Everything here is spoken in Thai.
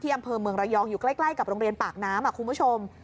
อำเภอเมืองระยองอยู่ใกล้กับโรงเรียนปากน้ำคุณผู้ชม